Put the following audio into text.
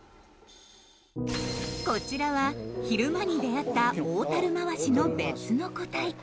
こちらは昼間に出会った「オオタルマワシ」の別の個体